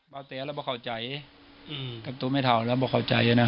บ้าเตี๋ยวเราบอกเข้าใจอืมกับตัวไม่เทาแล้วบอกเข้าใจนะครับ